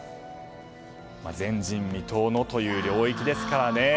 前人未到のという領域ですからね。